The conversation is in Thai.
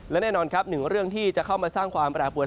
และแน่นอนครับหนึ่งเรื่องที่จะเข้ามาสร้างความแปรปวน